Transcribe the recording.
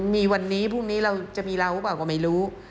มีวันนี้พรุ่งนี้เราจะมีเราหรือเปล่าก็ไม่รู้